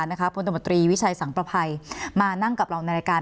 ผอนบาร์นะคะผลตมตรีวิชัยสังประภัยมานั่งกับเราในรายการ